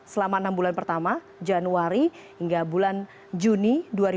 selama enam bulan pertama januari hingga bulan juni dua ribu dua puluh